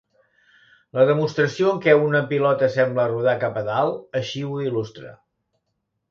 La demostració en què una pilota sembla rodar cap a dalt així ho il·lustra.